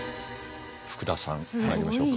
福田さんまいりましょうか。